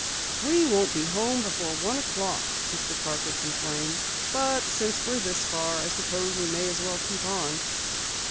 "We won't be home before one o'clock," Mr. Parker complained. "But since we're this far, I suppose we may as well keep on."